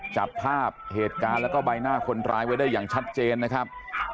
จับภาพเหตุการณ์แล้วก็ใบหน้าคนร้ายไว้ได้อย่างชัดเจนนะครับ